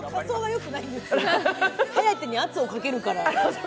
颯に圧をかけるから。